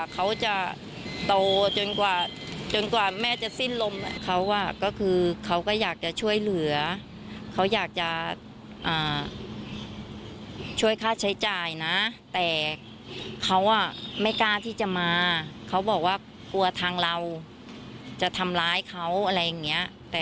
เขาจะโตจนกว่าแม่จะสิ้นลมเขาก็คือเขาก็อยากจะช่วยเหลือเขาอยากจะช่วยค่าใช้จ่ายนะแต่เขาไม่กล้าที่จะมาเขาบอกว่ากลัวทางเราจะทำร้ายเขาอะไรอย่างนี้